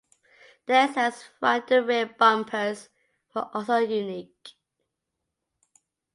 The Edsel's front and rear bumpers were also unique.